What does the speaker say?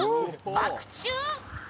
バク宙？